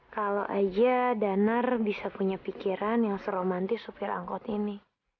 kalau aja danar bisa punya pikiran yang seromantis supir angkot ini